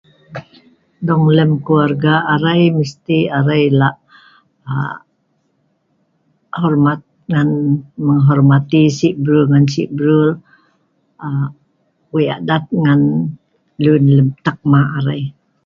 Lem keluarga arai mesti arai lak hormat ngan menghormati(tunuk) ngan si brul ngan si brul ,wei adat (sawai) ngan lun lem taak mak arai